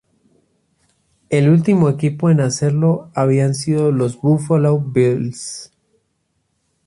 El último equipo en hacerlo habían sido los Buffalo Bills.